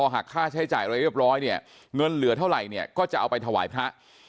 หากค่าใช้จ่ายอะไรเรียบร้อยเนี่ยเงินเหลือเท่าไหร่เนี่ยก็จะเอาไปถวายพระ